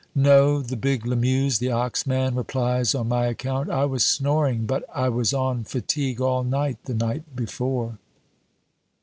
"No," the big Lamuse, the ox man, replies on my account; "I was snoring; but I was on fatigue all night the night before."